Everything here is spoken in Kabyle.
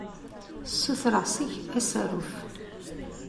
Ssutureɣ seg-k asaruf.